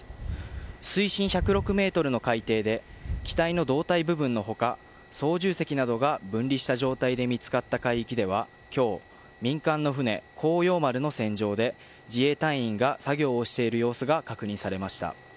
水深１０６メートルの海底で機体の胴体部分の他操縦席などが分離した状態で見つかった海域では今日、民間の航洋丸の船上で自衛隊員が作業をしている様子が確認されました。